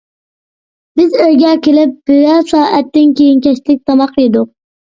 بىز ئۆيگە كېلىپ، بىرەر سائەتتىن كېيىن كەچلىك تاماق يېدۇق.